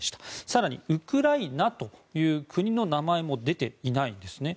更に、ウクライナという国の名前も出ていないんですね。